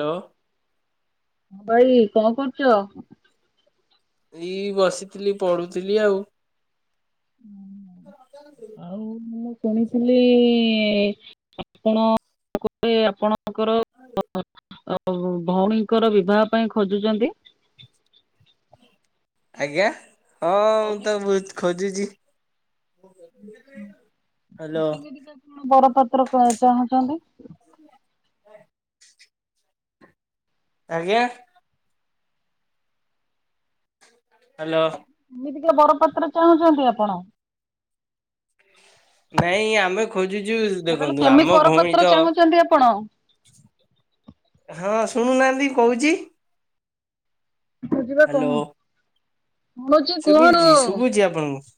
Hello. ବାଇ କଣ କରୁଚ? ଏଇ ବସିଥିଲି ପଢୁଥିଲି ଆଉ। ହୁଁ। ଆଉ ମୁଁ ଶୁଣିଥିଲି ଆପଣ [unintelligible] ଭଉଣୀଙ୍କର ବିବାହ ପାଇଁ ଖୋଜୁଛନ୍ତି? ଆଜ୍ଞା ହଁ ମୁଁ ତ ବହୁତ ଖୋଜୁଚି। କେମିତିକା କଣ ବରପାତ୍ର ଚାହୁଁଛନ୍ତି? ଆଜ୍ଞା। ହ୍ୟାଲୋ। କେମିତିକା ବରପାତ୍ର ଚାହୁଁଛନ୍ତି ଆପଣ? ନାଇଁ ଆମେ ଖୋଜୁଚୁ ମୁଁ କହିଲି ଦେଖନ୍ତୁ କେମିତି ଆମ ଭଉଣୀ ବରପାତ୍ର ତ ଚାହୁଁଛନ୍ତି ଆପଣ? ହଁ ଶୁଣୁନାହାନ୍ତି କହୁଛି। ବୁ ଯିବା ହ୍ୟାଲୋ। କହନ୍ତ ଶୁଣୁଛି କୁହୁ। ଶୁଭିଲୁଛି ଶୁଭୁଛି ଆପଣଙ୍କୁ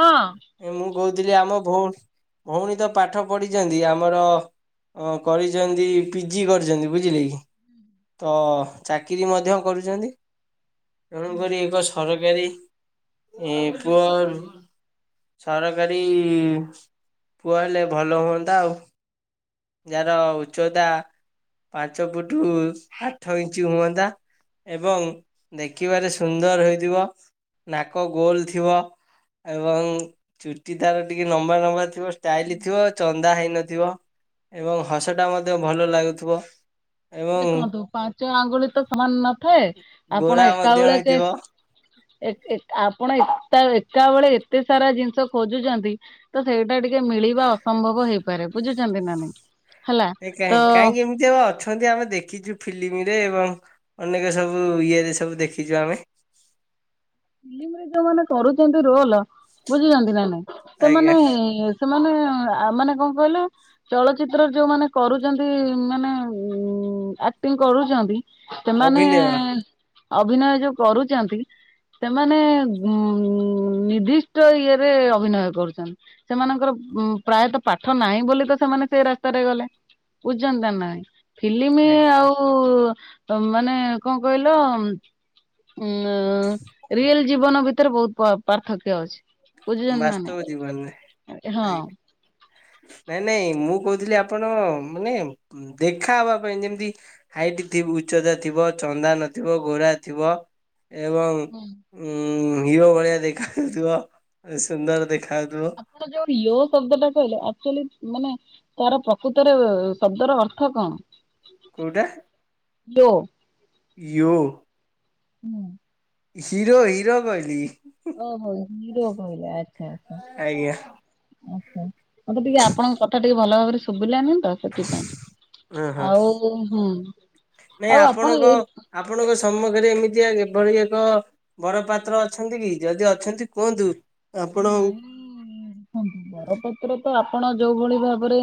ହଁ ମୁଁ କହୁଥିଲି ଆମ ଭଉଣୀ- ଭଉଣୀ ତ ପାଠ ପଢିଛନ୍ତି ଆମର ହଁ କରିଚନ୍ତି ପିଜି କରିଚନ୍ତି ବୁଝିଲେ କି। ତ ଚାକିରି ମଧ୍ୟ କରୁଚନ୍ତି। ତେଣୁକରି ଏକ ସରକାରୀ ଏ ପୁଅ ସରକାରୀ ପୁଅ ହେଲେ ଭଲ ହୁଅନ୍ତା ଆଉ। ଯାର ଉଚ୍ଚତା ପାଞ୍ଚ ଫୁଟୁ ଆଠ ଇଞ୍ଚ ହୁଅନ୍ତା ଏବଂ ଦେଖିବାରେ ସୁନ୍ଦର ହୋଇଥିବ ନାକ ଗୋଲ ଥିବ। ଏବଂ ଚୁଟି ତାର ଟିକେ ନମ୍ବା ନମ୍ବା ଥିବ ଷ୍ଟାଇଲ ଥିବ ଚନ୍ଦା ହେଇନଥିବ। ଏବଂ ହସ ଟା ମଧ୍ୟ ଭଲ ଲାଗୁଥିବ। ଏବଂ ଦେଖନ୍ତୁ ପାଞ୍ଚ ଆଙ୍ଗୁଳି ତ ସମାନ ନଥାଏ ଆପଣ ଗୋରା ଏକା ମଧ୍ୟ ବଳେ କେ ହେଇଥିବ ଏ ଏ- ଆପଣ ଏକା ବେଳେ ଏତେ ସାରା ଜିନିଷ ଖୋଜୁଛନ୍ତି ତ ସେଇଟା ଟିକେ ମିଳିବା ଅସମ୍ଭବ ହେଇପାରେ ବୁଝୁଛନ୍ତି ନା ନାଇଁ? ହେଲା କାଇଁ- ତ କାଇଁକି ଯେ ଅଛନ୍ତି ଆମେ ଦେଖିଛୁ ଫିଲିମି ରେ ଏବଂ ଅନେକ ସବୁ ଇଏରେ ସବୁ ଦେଖିଛୁ ଆମେ। ଫିଲ୍ମ ରେ ଯୋଉମାନେ କରୁଛନ୍ତି ରୋଲ ବୁଝୁଛନ୍ତି ନା ନାଇଁ ସେମାନେ ଆଜ୍ଞା ସେମାନେ ମାନେ କଣ କହିଲ? ଚଳଚିତ୍ରରେ ଯୋଉ ମାନେ କରୁଛନ୍ତି ମାନେ ଉ- ଆକ୍ଟିଂ କରୁଛନ୍ତି। ସେମାନେ ଅଭିନୟ ଏ- ଅଭିନୟ ଯଉ କରୁଚନ୍ତି। ସେମାନେ ଗୁଁ-ନିର୍ଦ୍ଦିଷ୍ଟ ଇଏରେ ଅଭିନୟ କରୁଛନ୍ତି। ସେମାନଙ୍କର ପ୍ରାୟତଃ ପାଠ ନାହିଁ ବୋଲି ତ ସେମାନେ ସେଇ ରାସ୍ତାରେ ଗଲେ। ଵୁଝ୍ଚନ୍ତି ନା ନାଇଁ? ଫିଲ୍ମ ଆଜ୍ଞା ଆଉ ମାନେ କଣ କଇଲ? ଉଁ ରିଏଲ ଜୀବନ ଭିତରେ ବହୁତ ପାର୍ଥକ୍ୟ ଅଛି। ବୁଝୁଚନ୍ତି ନା ବାସ୍ତବ ଜୀବନରେ ନାହିଁ ହଁ। ଆଜ୍ଞା ନାଇଁ ନାଇଁ ମୁଁ କଉଥିଲି ଆପଣ ମାନେ ଦେଖା ହବା ପାଇଁ ଯେମିତି ହାଇଟ୍ ଥି ଉଚ୍ଚତା ଥିବ ଚନ୍ଦା ନଥିବ ଘୋରା ଥିବ। ଏବଂ ହୁଁ। ଉ ହିରୋ ଭଳିଆ ଦେଖାଯାଉଥିବ। ଏ ସୁନ୍ଦର ଦେଖାହଉଥିବ। ଯୋଉ ୟୋ ଶବ୍ଦ ଟା କହିଲେ ଆଚୁଆଲି ମାନେ ତାର ପ୍ରକୃତରେ ଶବ୍ଦର ଅର୍ଥ କଣ? କୋଉଟା? ୟୋ। ୟୋ? ହୁଁ। ହିରୋ ହିରୋ କହିଲି। ଓ ହୋ ନିରୋଗ ହୋଇଲା ଆଚ୍ଛା ଆଚ୍ଛା। ଆଜ୍ଞା ଆଚ୍ଛା ମତେ ଟିକେ ଆପଣଙ୍କ କଥା ଟିକେ ଭଲ ଭାବରେ ଶୁଭିଲାନି ତ ସେଥିପାଇଁ ହଁ ହଁ ଆଉ ହୁଁ। ନାଇଁ ଆଉ ଆପଣ ଆପଣଙ୍କ ଏଇ ଆପଣଙ୍କ ସମ୍ମୁଖରେ ଏମିତିଆ ଏଭଳି ଏକ ବର ପାତ୍ର ଅଛନ୍ତି କି ଯଦି ଅଛନ୍ତି କୁହନ୍ତୁ ଆପଣ ନାଇଁ ବରପତ୍ର ତ ଆପଣ ଯୋଉ ଭଳି ଭାବରେ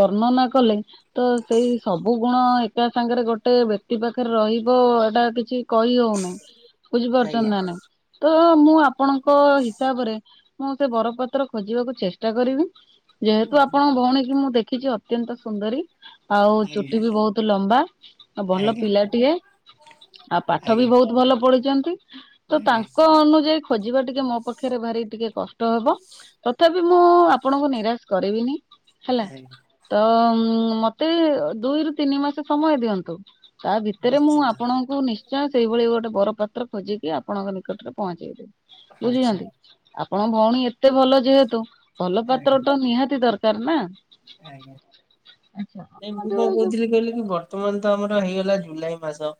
ବର୍ଣ୍ଣନା କଲେ ତ ସେଇ ସବୁ ଗୁଣ ଏକା ସାଙ୍ଗରେ ଗୋଟେ ବ୍ୟକ୍ତି ପାଖରେ ରହିବ ଏଇଟା କିଛି କହି ହଉନି। ଆଜ୍ଞା ବୁଝିପାରୁଛନ୍ତି ନା ନାଇଁ ତ ମୁଁ ଆପଣଙ୍କ ହିସାବରେ ମୁଁ ସେ ବରଫପାତ୍ର ଖୋଜିବାକୁ ଚେଷ୍ଟା କରିବି ଆଜ୍ଞା ଯେହେତୁ ଆପଣଙ୍କ ଭଉଣୀ କି ମୁଁ ଦେଖିଛି ଅତ୍ୟନ୍ତ ସୁନ୍ଦରୀ ଆଉ ଆଜ୍ଞା ଚୁଟି ବି ବହୁତ ଲମ୍ବା ଆଉ ଭଲ ଆଜ୍ଞା ପିଲାଟିଏ। ଆଉ ପାଠ ବି ବହୁତ ଭଲ ପଢିଛନ୍ତି ତ ଆଜ୍ଞା ତାଙ୍କ ଅନୁଯାୟୀ ଖୋଜିବା ଟିକେ ମୋ ପାଖରେ ଭାରି ଟିକେ କଷ୍ଟ ହବ ତଥାପି ମୁଁ ଆପଣଙ୍କୁ ନିରାଶ କରିବିନି ହେଲା। ଆଜ୍ଞା ତ ମତେ ଦୁଇରୁ ତିନି ମାସ ସମୟ ଦିଅନ୍ତୁ। ତା ଭିତରେ ମୁଁ ନିଶ୍ଚିନ୍ତ ଆପଣଙ୍କୁ ନି ସେଇଭଳି ଗୋଟେ ବର ପାତ୍ର ଖୋଜିକି ଆପଣଙ୍କ ନିକଟରେ ପହଞ୍ଚେଇ ଦେବି ଆଚ୍ଛା ବୁଝିଛନ୍ତି। ଆପଣ ଭଉଣୀ ଏତେ ଭଲ ଯେହେତୁ ଭଲ ଆଜ୍ଞା ପାତ୍ର ଟା ନିହାତି ଦରକାର ନା? ଆଜ୍ଞା ଆଚ୍ଛା ନାଇଁ ଆପଣ ମୁଁ କଣ ଯୋଉ ଯୋଉ କହୁଥିଲି କହିଲେ କି ବ ର୍ତ୍ତମାନ ତ ଆମର ହେଇଗଲା ଜୁଲାଇ ମାସ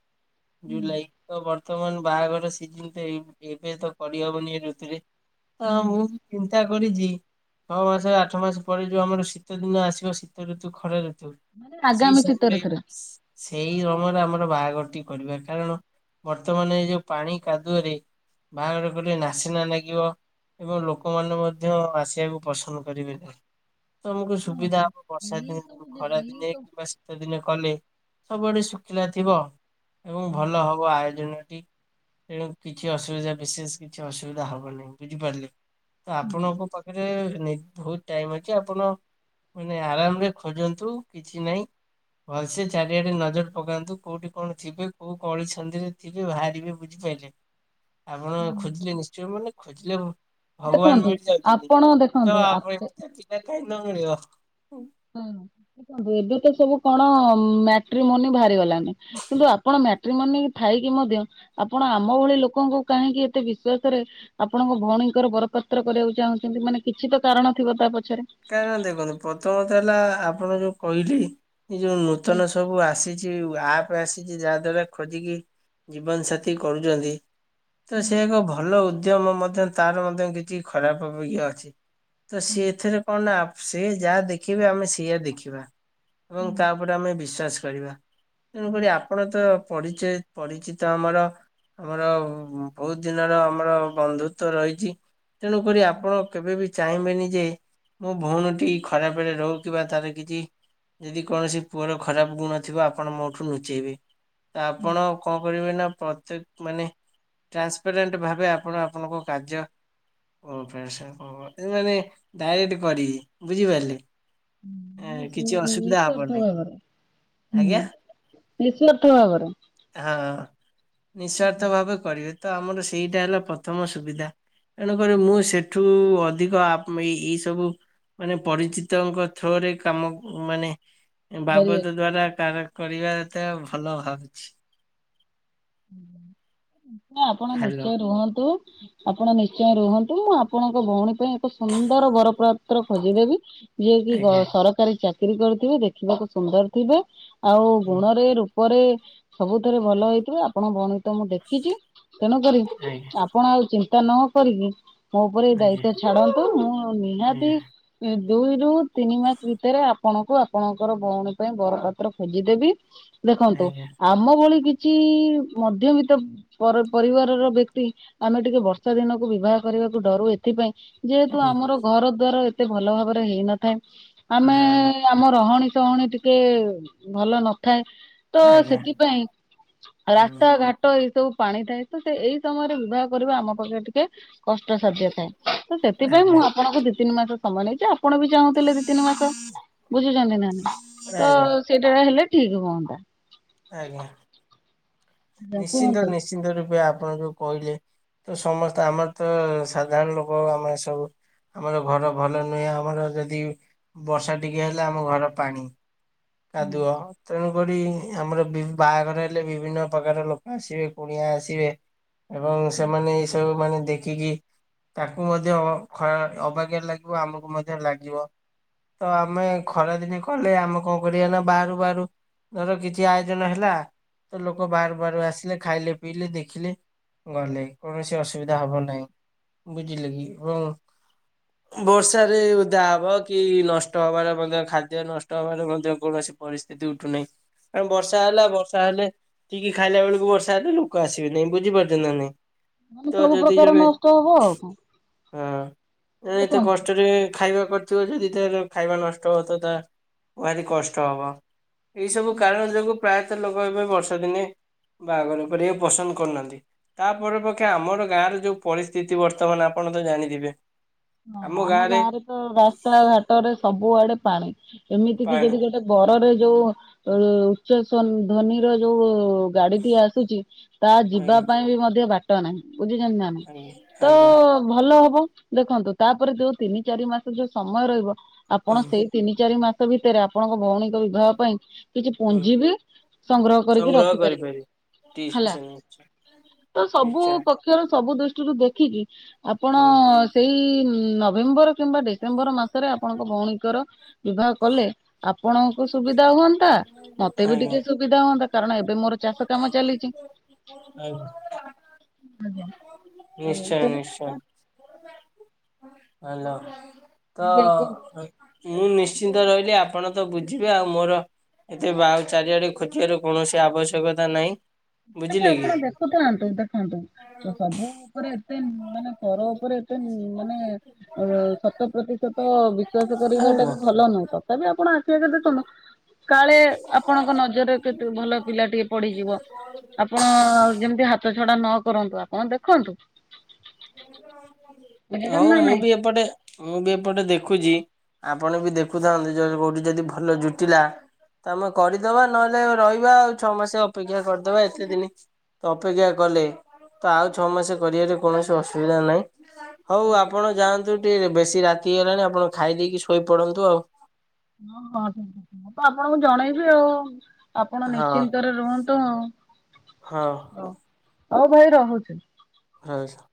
ହୁଁ ଜୁଲାଇ ତ ବର୍ତ୍ତମାନ ବାହାଘର ସିଜିନ ତ ଏବେତ କରିହବନି ଏ ଋତୁରେ ତ ମୁଁ ହୁଁ। ବି ଚେଷ୍ଟା କରିଛି ଛଅ ମାସ ଆଠ ମାସ ପରେ ଯୋଉ ଆମର ଶୀତ ଦିନ ଆସିବ ଶୀତ ଋତୁ ଖରା ଋତୁ ମାନେ ସେଇ ଆଗାମୀ ଶୀତ ସମୟରେ ଋତୁରେ। ସେଇ ସମୟରେ ଆମର ବାହାଘରଟି କରିବା କାରଣ ବର୍ତ୍ତମାନ ଏ ଯୋଉ ପାଣି କାଦୁଅରେ ବାହାଘର କଲେ ନାସିନା ଲାଗିବ। ଏବଂ ଲୋକମାନେ ମଧ୍ୟ ଆସିବାକୁ ପସନ୍ଦ କରିବେନି। ତମକୁ ହଁ ସୁବିଧା ହଁ ହବ ବର୍ଷା ଏଇ ସବୁ ଦିନେ ଖରା ଏଇ ଦିନେ କିମ୍ବା ପ୍ତ ଦିନ କଲେ ସବୁଆଡ଼େ ଶୁଖିଲା ଥିବ ଏବଂ ସବୁ ଭଲ ହବ ଆୟୋଜନଟି। ତେଣୁ କିଛି ଅସୁବିଧା ବିଶେଷ କିଛି ଅସୁବିଧା ହବନାହିଁ ବୁଝିପାରିଲେ? ତ ହୁଁ ଆପଣଙ୍କ ପାଖରେ ବହୁତ ଟାଇମ ଅଛି ଆପଣ ମାନେ ଆରାମ ରେ ଖୋଜନ୍ତୁ କିଛି ନାହିଁ। ଭଲସେ ଚାରିଆଡେ ନଜର ପକାନ୍ତୁ କୋଉଠି କଣଥିବେ କୋଉ କଳି ଛନ୍ଦିରେ ଥିବେ ବାହାରିବେ ବୁଝିପାରିଲେ? ହ ଆପଣ ଖୋଜିଲେ ନିଶ୍ଚୟ ମାନେ ଖୋଜିଲେ ଭଗବାନ ଦେଖନ୍ତୁ ମିଳିଯାଉଛନ୍ତି ଆପଣ ତ ଦେଖନ୍ତୁ ଆ ଆପେ ଯିବା କାଇଁ ନ ମିଳିିବ। ହୁଁ ଦେଖନ୍ତୁ ଏବେ ତ ସବୁ କଣ ମାଟ୍ରିମନି ବାହାରି ଗଲାଣି। କିନ୍ତୁ ଆପଣ ମାଟ୍ରି ମନି ଥାଇକି ମଧ୍ୟ ଆପଣ ଆମ ଭଳି ଲୋକଙ୍କୁ କାହିଁକି ଏତେ ବିଶ୍ଵାସରେ ଆପଣଙ୍କ ଭଉଣୀଙ୍କର ବରପାତ୍ର କରିବାକୁ ଚାହୁଁଛନ୍ତି ମାନେ କିଛି ତ କାରଣ ଥିବ ତା ପଛରେ। ଦେଖନ୍ତୁ ପ୍ରଥମତ ହେଲା ଆପଣ ଯୋଉ କହିଲି ଯୋଉ ହୁଁ ନୂତନ ସବୁ ଆସିଛି ଆପ୍ ଆସିଛି ଯାହା ଦ୍ଵାରା ଖୋଜିକି ଜୀବନସାଥିୀ କରୁଛନ୍ତି। ତ ହୁଁ ସେ ଏକ ଭଲ ଉଦ୍ୟମ ମଧ୍ୟ ତାର ମଧ୍ୟ କିଛି ଖରାପ ଇଅ ଅଛି। ତ ସିଏ ଏଥିରେ କଣ ନା ସିଏ ଯାହା ଦେଖେଇବେ ଆମେ ସେଇୟା ଦେଖିବା। ଏବଂ ହୁଁ ତା ଉପରେ ଆମେ ବିଶ୍ଵାସ କରିବା ତେଣୁକରି ଆପଣ ତ ପଢ଼ି-ପରିଚିତ ଆମର ଆମର ବହୁତ ଦିନର ଆମର ବନ୍ଧୁତ୍ଵ ରହିଛି। ତେଣୁକରି ଆପଣ କେବେ ବି ଚାହିଁବେନି ଯେ ମୋ ଭଉଣୀ ଖରାପ ରେ ରହୁ କି ବା ତାର କିଛି ଯଦି କୌଣସି ପୁଅର ଖରାପ ଗୁଣ ଥିବ ଆପଣ ମୋଠୁ ନୁଚେଇବେ ତ ହୁଁ ଆପଣ କଣ କରିବେ ନା ପ୍ରତ୍ୟକ ମାନେ ଟ୍ରାନ୍ସପାରେଣ୍ଟ ଭାବେ ଆପଣ ଆପଣଙ୍କ କାର୍ଯ୍ୟ [unintelligible] ମାନେ ଡାଇରେକ୍ଟ କରିବେ ବୁଝିପାରିଲେ। ଏ କିଛି ନିସ୍ର୍ଥ ଅସୁବିଧା ହବ ନିଃସ୍ଵାର୍ଥ ନାହିଁ ଭାବରେ ହୁଁ ଆଜ୍ଞା ନିଃସ୍ଵାର୍ଥ ଭାବରେ। ହଁ ନିଃସ୍ୱାର୍ଥ ଭାବେ କରିବେ ତ ଆମର ସେଇଟା ହେଲା ପ୍ରଥମ ସୁବିଧା। ତେଣୁକରି ମୁଁ ସେଠୁ ଅଧିକ ଆପ-ଏଇ ସବୁ ମାନେ ପରିଚିତଙ୍କ ଥ୍ରୋ ରେ କାମ ମାନେ ଜରିଆରେ। ବାବଦ ଦ୍ଵାରା କାର କରିବା ତା ଭଲ ଭାବୁଛି। ତା ଆପଣ ହ୍ୟାଲୋ ନିଶ୍ଚୟ ରୁହନ୍ତୁ ଆପଣ ନିଶ୍ଚୟ ରୁହନ୍ତୁ ମୁଁ ଆପଣଙ୍କ ଭଉଣୀ ପାଇଁ ଏକ ସୁନ୍ଦର ବରପ୍ରାତ୍ର ଖୋଜିଦେବି। ଯିଏ କି ଆଜ୍ଞା ଗ-ସରକାରୀ ଚାକିରିୀ କରିଥିବେ ଦେଖିବାକୁ ସୁନ୍ଦର ଥିବେ ଆଉ ହୁଁ ଗୁଣରେ ରୂପ ପରେ ସବୁଥରେ ଭଲ ହେଇଥିବ ଆପଣଙ୍କ ଭଉଣୀ ଙ୍କୁ ତ ମୁଁ ଦେଖିଛି ତେଣୁକରି ଆଜ୍ଞା ଆପଣ ଆଉ ଚିନ୍ତା ନ କରିକି ମୋ ଉପରେ ଏଇ ଆଜ୍ଞା ଦାୟିତ୍ଵ ଛାଡନ୍ତୁ ମୁଁ ନିହାତି ଦୁଇରୁୁ ତିନି ମାସ ଭିତରେ ଆପଣଙ୍କୁ ଆପଣଙ୍କର ଭଉଣୀ ପାଇଁ ବର ପାତ୍ର ଖୋଜିଦେବି ଆଜ୍ଞା ଦେଖନ୍ତୁ ଆଜ୍ଞା ଆମ ଭଳି କିଛି ମଧ୍ୟବିତ୍ତ ପର-ପରିବାରର ବ୍ୟକ୍ତି ଆମେ ଟିକେ ବର୍ଷା ଦିନକୁ ବିବାହ କରିବାକୁ ଡରୁ ଏଥିପାଇଁ ଯେହେତୁ ହୁଁ। ଆମର ଘର ଦ୍ୱାର ଏତେ ଭଲ ଭାବରେ ହେଇନଥାଏ ଆମେ ହଁ ଆମ ରହଣୀ ସହଣୀ ଟିକେ ଭଲ ନଥାଏ। ତ ଆଜ୍ଞା ସେଥିପାଇଁ ରା ହୁଁ ହାଟ ଏଇ ସବୁ ପାଣି ଥାଏ ତ ସେ ଏଇ ସମୟରେ ବିବାହ କରିବା ଆମ ପାଖ ଟିକେ କଷ୍ଟସାଧ୍ୟ ଥାଏ ତ ସେଥିପାଇଁ ଆଜ୍ଞା ମୁଁ ଆପଣଙ୍କୁ ଦି ତିନି ମାସ ସମୟ ନେଇଛି ଆଉ ଆପଣ ବି ଚାହୁଁଥିଲେ ଦି ତିନି ମାସ ବୁଝୁଛନ୍ତି ନା ତ ଆଜ୍ଞା ସେଇଟା ରେ ହେଲେ ଠିକ ହୁଅନ୍ତା। ଆଜ୍ଞା ଆଜ୍ଞା ନିଶ୍ଚିନ୍ତ କୁହନ୍ତୁ ନିଶ୍ଚିନ୍ତ ରୂପେ ଆପଣ ଯୋଉ କହିଲେ ତ ସମସ୍ତେ ଆମର ତ ସାଧାରଣ ଲୋକ ଆମେ ଏ ସବୁ ଆମର ଘର ଭଲ ନୁହେଁ ଆମର ଯଦି ବର୍ଷା ଟିକେ ହେଲେ ଆମ ଘର ପାଣି। କାଦୁଅ। ତେଣୁକରି ଆମର ବାହାଘର ହେଲେ ବିଭିନ୍ନ ପ୍ରକାର ଲୋକ ଆସିବେ କୁଣିଆ ଆସିବେ। ଏବଂ ସେମାନେ ଏଇ ସବୁ ମାନେ ଦେଖିକି ତାକୁ ମଧ୍ୟ ଅ-ଖରା-ଅବାଗ୍ୟା ଲାଗିବ ଆମକୁ ମଧ୍ୟ ଲାଗିବ। ତ ଆମେ ଖରାଦିନେ କଲେ ଆମକୁ କଣ କରିବା ନା ବାହାରୁ ବାହାରୁ ଧର କିଛି ଆୟୋଜନ ହେଲା। ତ ଲୋକ ବାର ବାର ଆସିଲେ ଖାଇଲେ ପିଇଲେ ଦେଖିଲେ ଗଲେ କୌଣସି ଅସୁବିଧା ହବ ନାହିଁ ବୁଝିଲେ କି? ଏବଂ ବର୍ଷ ଉଧା ହବ କି ନଷ୍ଟ ହବାରେ ମଧ୍ୟ ଖାଦ୍ୟ ନଷ୍ଟ ହବାର ମଧ୍ୟ ମଧ୍ୟ କୌଣସି ପରିସ୍ଥିତି ଉଠୁନାହିଁ କାରଣ ବର୍ଷା ହେଲା ବର୍ଷା ହେଲେ ଠିକ୍ ଖାଇଲା ବେଳକୁ ବର୍ଷା ହେଲେ ଲୋକ ଆସିବେ ନାହିଁ ବୁଝି ପାରୁଛନ୍ତି ନା ନାଇଁ? ମ ତ ସବୁ ଯଦି ପ୍ରକାର ଜଣେ ନଷ୍ଟ ହବ ଆଉ କଣ? ହଁ ଏତେ ଦେଖନ୍ତୁ କଷ୍ଟରେ ଖାଇବା କରିଥିବ, ଯଦି ତା ଖାଇବା ନଷ୍ଟ ହ ତ ତା ଭାରି କଷ୍ଟ ହବ, ଏଇ ସବୁ କାରଣ ଯୋଗୁଁ ପ୍ରାୟତଃ ଲୋକ ଏବେ ବର୍ଷ ଦିନେ ବାହାଘର କରିବାକୁ ପସନ୍ଦ କରୁନାହାନ୍ତି। ତାପରେ ପଛେ ଆମର ଗାଁରେ ଯୋଉ ପରିସ୍ଥିତି, ବର୍ତ୍ତମାନ ଆପଣ ତ ଜାଣିଥିବେ? ହଁ ଆମ ଗାଁ ରେ ତ ରାସ୍ତା ଘାଟରେ ସବୁଆଡେ ପାଣି, ଏମିତି କିି ପାଣି ଯଦି ଗୋଟେ ବରରେ ଯୋଉ ଉଚ୍ଚ ଧ୍ୱନିର ଯୋଉ ଗାଡିଟି ଆସୁଛି ତା ଯିବା ଆଜ୍ଞା ପାଇଁ ବି ମଧ୍ୟ ବାଟ ନାହିଁ ବୁଝିଛନ୍ତିଛନ୍ତି ନା ଆଜ୍ଞା ତ ଆଜ୍ଞା ଭଲ ହବ, ଦେଖନ୍ତୁ ତାପରେ ଯୋଉ ତିନି ଚାରି ମାସ ଯୋଉ ସମୟ ରହିବ, ଆପଣ ହୁଁ ସେଇ ତିନି ଚାରି ମାସ ଭିତରେ ଆପଣଙ୍କ ଭଉଣୀଙ୍କ ବିବାହ ପାଇଁ କିଛି ହୁଁ ପୁଞ୍ଜି ବି ସଂଗ୍ରହ କରିକି ରଖିପାରିବେ ହେଲା। ନିଶ୍ଚୟ ନିଶ୍ଚୟ ତ ସବୁ ନିଶ୍ଚୟ କକ୍ଷରୁ ସବୁ ଦୃଷ୍ଟିରୁ ଦେଖିକି ଆପଣ ହୁଁ ସେଇ ନଭେମ୍ବର କିମ୍ବା ଡିସେମ୍ବର ମାସରେ ଆପଣଙ୍କ ଭଉଣୀଙ୍କର ବିବାହ କଲେ ଆପଣଙ୍କୁ ସୁବିଧା ହୁଅନ୍ତା, ମତେ ବି ଆଜ୍ଞା ଟିକେ ସୁବିଧା ହୁଅନ୍ତା, କାରଣ ଏବେ ମୋର ଚାଷ କାମ ଚାଲିଛି। ହ ଆଜ୍ଞା। ନିଶ୍ଚୟ ନିଶ୍ଚୟ। ଆଜ୍ଞା ଆଲୋ ତ କୁହନ୍ତୁ। ମୁଁ ନିଶ୍ଚିନ୍ତ ରହିଲି, ଆପଣ ତ ବୁଝିବେ ଆଉ ମୋର ଏଥିରେ ବାହାଘର ଚାରିଆଡେ ଖୋଜିବାର କୌଣସି ଆବଶ୍ୟକତା ନାହିଁ। ଏବେ ବୁଝିଲେ କି? ଆପଣ ଦେଖୁଥାନ୍ତୁ ଦେଖାନ୍ତୁ, ତ ସବୁ ଉପରେ ଏତେ ମାନେ ପର ଉପରେ ସେ ମାନେ ଅ ଶତ ପ୍ରତିଶତ ବିଶ୍ଵାସ କରିବା ଟା ବି ଆଜ୍ଞା। ଭଲ ନୁହେଁ ତ ତ ବିି ଆପଣ ଆସିବା ଦେଖନ୍ତୁ କାଳେ ଆପଣଙ୍କ ନଜରରେ କେେ ଭଲ ପିଲା ଟିକେ ପଡିଯିବ। ଆପଣ ଯେମିତି ହାତ ଛଡା ନ କରନ୍ତୁ, ଆପଣ ଦେଖନ୍ତୁ ବୁଝିଛନ୍ତି ହଉ ନା ମୁଁ ନାଇଁ। ବି ଏପଟେ ମୁଁ ବି ଏପଟେ ଦେଖୁଛି, ଆପଣ ବି ଦେଖୁଥାନ୍ତୁ, ଯଦି କୋଉଠି ଯଦି ଭଲ ଜୁଟିଲା ତମେ କରିଦବା, ନହେଲେ ରହିବା ଆଉ ଛଅ ମାସ ଅପେକ୍ଷା କରିଦବା ଏତେ ଦିନ ତ ଅପେକ୍ଷା କଲେ, ତ ଆଉ ଛଅ ମାସ କରିବାରେ କୌଣସି ଅସୁବିଧା ନାହିଁ। ହଉ ଆପଣ ଯାଆନ୍ତୁ ଟିକେ ବେଶୀ ରାତି ହେଲାଣି ଆପଣ ଖାଇ ଦେଇକି ଶୋଇପଡନ୍ତୁ ଆଉ ହଁ ହଁ ଠିକ ଅଛି ମୁଁ ତ ଆପଣଙ୍କୁ ଜଣେଇବି ଆଉ ଆପଣ ହଁ ନିଶ୍ଚିନ୍ତରେ ରୁହନ୍ତୁ ଆଉ, ହଁ ହ ହଉ ଭାଇ ରହୁଛି। [unintelligible]